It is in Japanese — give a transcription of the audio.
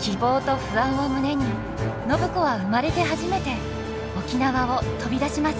希望と不安を胸に暢子は生まれて初めて沖縄を飛び出します。